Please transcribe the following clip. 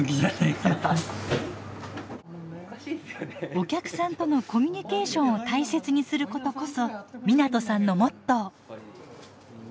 お客さんとのコミュニケーションを大切にすることこそ湊さんのモットー。